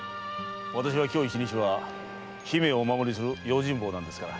私は今日一日は姫をお守りする用心棒なんですから。